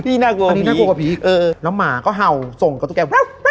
นี่น่ากลัวกับพีคแล้วหมาก็เห่าส่งกับตุ๊กแก่